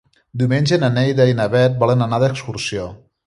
Diumenge na Neida i na Bet volen anar d'excursió.